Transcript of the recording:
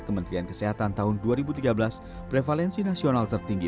kementerian kesehatan tahun dua ribu tiga belas prevalensi nasional tertinggi